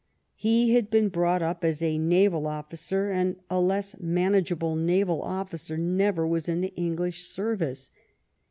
He had been brought up as a naval officer, and a less manageable naval officer never was in the Engh'sh service.